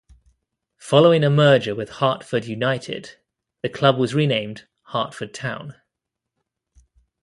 Following a merger with Hertford United, the club was renamed Hertford Town.